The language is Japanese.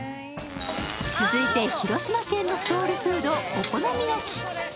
続いて広島県のソウルフード、お好み焼き。